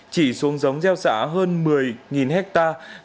chỉ xuống giống gieo xạ hơn một mươi hectare